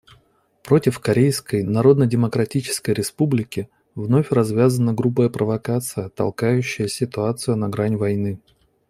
Против Корейской Народно-Демократической Республики вновь развязана грубая провокация, толкающая ситуацию на грань войны.